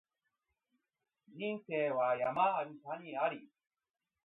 人生は山あり谷あり